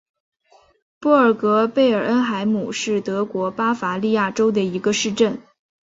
布尔格贝尔恩海姆是德国巴伐利亚州的一个市镇。